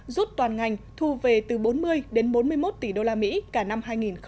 rút toàn ngành thu về từ bốn mươi đến bốn mươi một tỷ usd cả năm hai nghìn một mươi chín